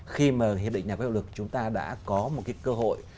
khi mà hiệp định nhà quốc lực chúng ta đã có một cái cơ hội